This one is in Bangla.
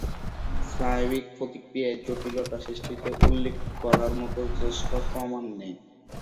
স্নায়বিক প্রতিক্রিয়ায় জটিলতা সৃষ্টিতে উল্লেখ করার মত যথেষ্ট প্রমাণ নেই।